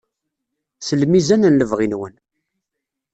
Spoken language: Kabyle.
S lmizan n lebɣi-nwen.